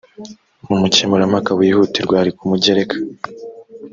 umukemurampaka wihutirwa ari ku mugereka